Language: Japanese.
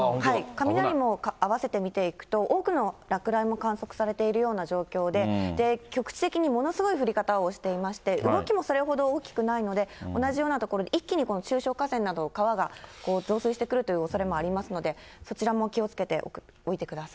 雷もあわせて見ていくと、多くの落雷も観測されているような状況で、局地的にものすごい降り方をしていまして、動きもそれほど大きくないので、同じような所、一気に中小河川など、川が増水してくるというおそれもありますので、そちらも気をつけておいてください。